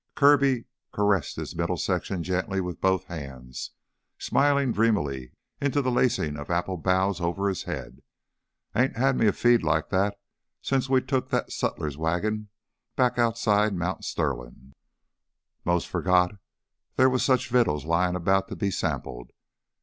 Kirby caressed his middle section gently with both hands, smiling dreamily into the lacing of apple boughs over his head. "I ain't had me a feed like that since we took that sutler's wagon back outside Mount Sterlin'. 'Mos' forgot theah was such vittles lyin' 'bout to be sampled.